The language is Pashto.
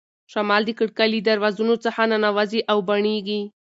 شمال د کړکۍ له درزونو څخه ننوځي او بڼیږي.